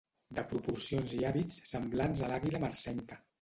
De proporcions i hàbits semblants a l'àguila marcenca.